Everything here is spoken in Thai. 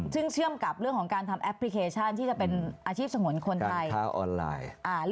ซึ่งเชื่อมกับเรื่องของการทำแอปพลิเคชันที่จะเป็นอาชีพสงวนคนไทย